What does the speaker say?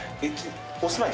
お住まい